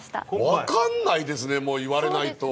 分かんないですね、言われないと。